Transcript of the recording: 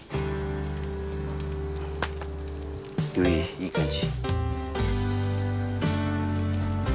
いい感じ！